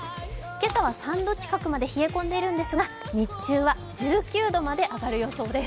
今朝は３度近くまで冷え込んでいるんですが、日中は１９度まで上がる予想です。